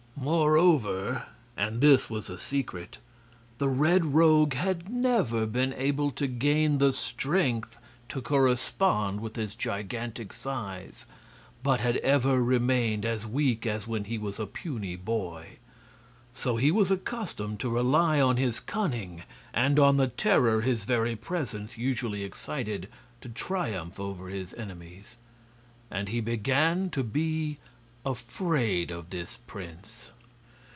Moreover and this was a secret the Red Rogue had never been able to gain the strength to correspond with his gigantic size, but had ever remained as weak as when he was a puny boy. So he was accustomed to rely on his cunning and on the terror his very presence usually excited to triumph over his enemies. And he began to be afraid of this prince.